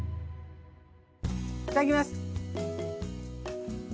いただきます。